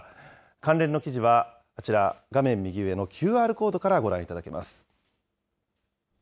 関連の記事はこちら、画面右上のＱＲコードからご覧いただけます。